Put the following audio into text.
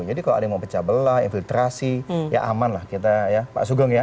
jadi kalau ada yang mau pecah belah infiltrasi ya aman lah kita ya pak sugeng ya